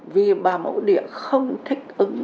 vì bà mẫu địa không thích ứng